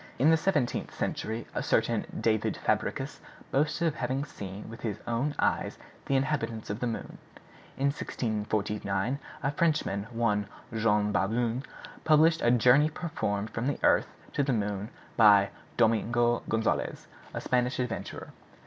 In the seventeenth century a certain David Fabricius boasted of having seen with his own eyes the inhabitants of the moon. In 1649 a Frenchman, one Jean Baudoin, published a 'Journey performed from the Earth to the Moon by Domingo Gonzalez,' a Spanish adventurer.